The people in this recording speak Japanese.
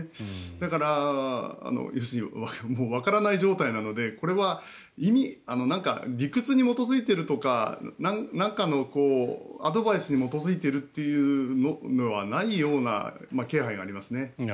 だから要するにわからない状態なのでこれは、理屈に基づいているとか何かのアドバイスに基づいているのはないような気配がありますね。